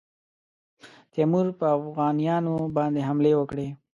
تیمور پر اوغانیانو باندي حملې وکړې.